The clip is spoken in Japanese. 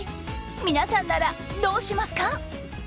皆さんならどうしますか？